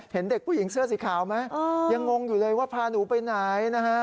เห็นเด็กผู้หญิงเสื้อสีขาวไหมยังงงอยู่เลยว่าพาหนูไปไหนนะฮะ